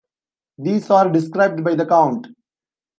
These are described by the count.